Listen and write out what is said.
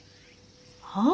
はあ？